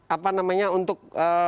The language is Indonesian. apa namanya untuk